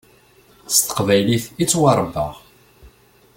S teqbaylit i ttwaṛebbaɣ.